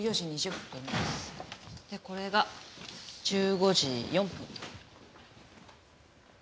でこれが１５時４分。